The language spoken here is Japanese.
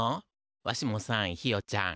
わしもさんひよちゃん。